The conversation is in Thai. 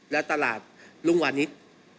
และตลาดรุ่งวานิส